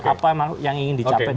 apa yang ingin dicapai